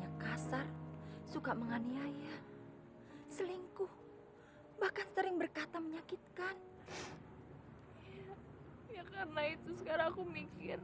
ya karena itu sekarang aku mikir